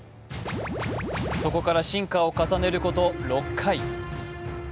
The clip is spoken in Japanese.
そこから進化を重ねること６回。